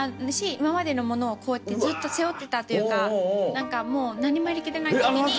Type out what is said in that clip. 今までのものをこうやってずっと背負ってたというか何もやる気出ない時に。